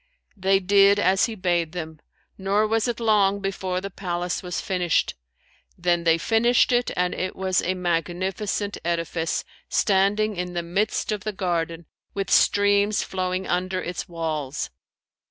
They did as he bade them, nor was it long before the palace was finished: then they furnished it and it was a magnificent edifice, standing in the midst of the garden, with streams flowing under its walls.